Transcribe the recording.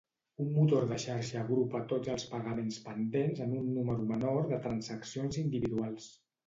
Un motor de xarxa agrupa tots els pagaments pendents en un número menor de transaccions individuals.